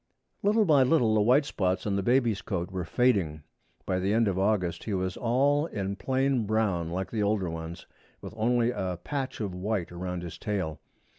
Little by little the white spots on the baby's coat were fading. By the end of August he was all in plain brown like the older ones, with only a patch of white around his tail.